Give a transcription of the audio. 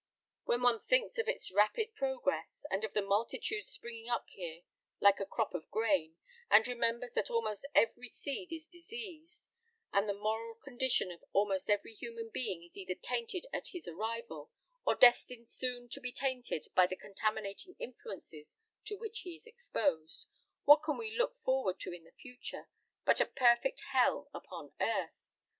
"When one thinks of its rapid progress, and of the multitudes springing up here like a crop of grain, and remembers that almost every seed is diseased, that the moral condition of almost every human being is either tainted at his arrival, or destined soon to be tainted by the contaminating influences to which he is exposed, what can we look forward to in the future but a perfect hell upon earth?